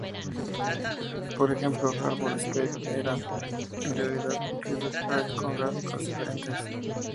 Por ejemplo, "Harbor Escape" era en realidad "River Raid" con gráficos diferentes.